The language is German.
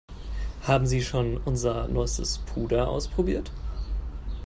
Haben Sie schon unser neuestes Puder ausprobiert?